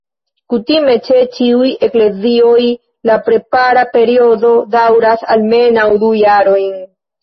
Kutime, ĉe ĉiuj eklezioj la prepara periodo daŭras almenaŭ du jarojn.